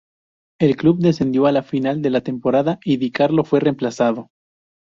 El club descendió al final de la temporada y Di Carlo fue reemplazado.